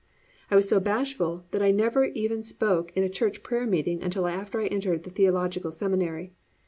I was so bashful that I never even spoke in a church prayer meeting until after I entered the theological seminary.